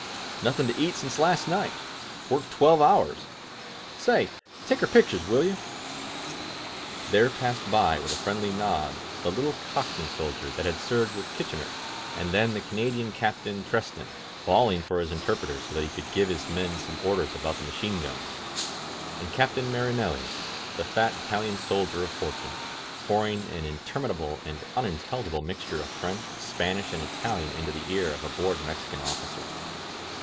Nothing to eat since last night — ^work twelve hours — say, take our pictures, will you?'' There passed by with a friendly nod the little Cock 183 INSURGENT MEXICO ney soldier that had served with Kitchener, and then the Canadian Captain Treston, bawling for his inter preter, so that he could give his men some orders about the machine guns ; and Captain Marinelli, the fat Ital ian soldier of fortune, pouring an interminable and un intelligible mixture of French, Spanish and Italian into the ear of a bored Mexican officer.